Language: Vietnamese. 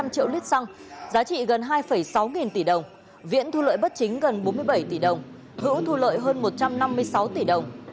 năm triệu lít xăng giá trị gần hai sáu nghìn tỷ đồng viễn thu lợi bất chính gần bốn mươi bảy tỷ đồng hữu thu lợi hơn một trăm năm mươi sáu tỷ đồng